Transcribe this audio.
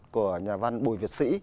của nhà văn bùi việt sĩ